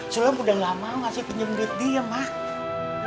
seulahnya udah gak mau ngasih pinjem duit dia emak